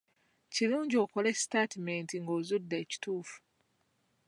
Kirungi okole sitaatimenti ng'ozudde ekituufu.